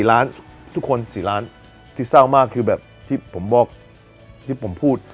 ๔ล้านทุกคนที่เศร้ามากคือแบบที่ผมพูด